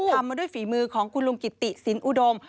ทำมาด้วยฝีมือของคุณลุงกิตติศิลป์อุดม